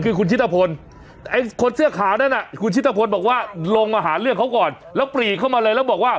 คุณชิธะพลบอกว่าลงมาหาเรื่องเขาก่อนแล้วปรีกเข้ามาเลยแล้วบอกว่า